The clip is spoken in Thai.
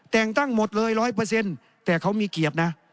แต่งตั้งหมดเลยร้อยเปอร์เซ็นต์แต่เขามีเกียรตินะ